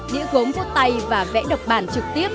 đĩa gốm vô tay và vẽ độc bản trực tiếp